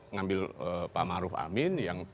ngambil pak maruf amin yang